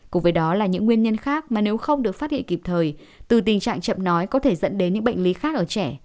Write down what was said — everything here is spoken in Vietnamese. cùng với đó là những nguyên nhân khác mà nếu không được phát hiện kịp thời từ tình trạng chậm nói có thể dẫn đến những bệnh lý khác ở trẻ